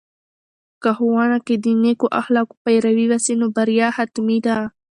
که ښوونې کې د نیکو اخلاقو پیروي وسي، نو بریا حتمي ده.